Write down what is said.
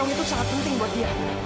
itu sangat penting buat dia